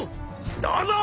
どうぞ。